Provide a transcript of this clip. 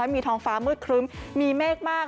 มีท้องฟ้ามืดครึ้มมีเมฆมาก